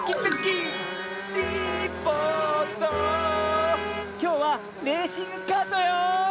きょうはレーシングカートよ！